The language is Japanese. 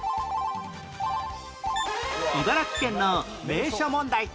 茨城県の名所問題